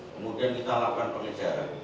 kemudian kita lakukan pengejaran